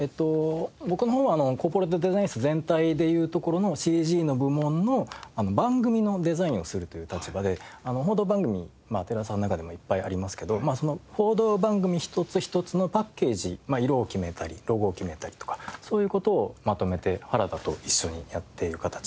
僕の方はコーポレートデザイン室全体でいうところのＣＧの部門の番組のデザインをするという立場で報道番組テレ朝の中でもいっぱいありますけどその報道番組一つ一つのパッケージ色を決めたりロゴを決めたりとかそういう事をまとめて原田と一緒にやっている形になりますね。